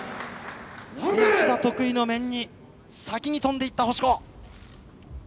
林田得意の面に先に飛んでいった星子。